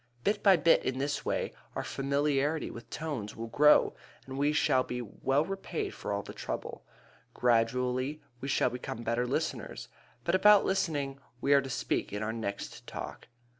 Bit by bit, in this way, our familiarity with tones will grow and we shall be well repaid for all the trouble. Gradually we shall become better listeners but about listening we are to speak in our next Talk.